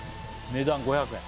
値段５００円